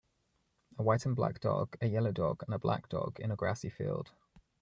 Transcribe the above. A white and black dog, a yellow dog and a black dog in a grassy field.